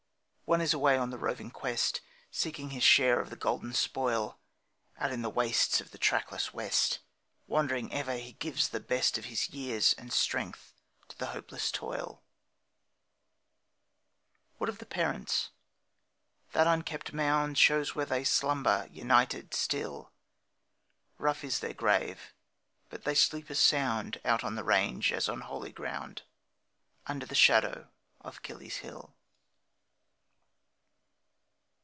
One is away on the roving quest, Seeking his share of the golden spoil, Out in the wastes of the trackless west, Wandering ever he gives the best Of his years and strength to the hopeless toil. What of the parents? That unkept mound Shows where they slumber united still; Rough is their grave, but they sleep as sound Out on the range as on holy ground, Under the shadow of Kiley's Hill.